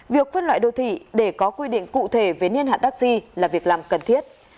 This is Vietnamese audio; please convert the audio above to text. việc phân loại đô thị để có quy định cụ thể về niên hạn taxi là việc làm cần thiết